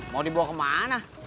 mau dibawa kemana